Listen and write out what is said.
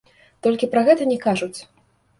Толькі пра гэта не кажуць.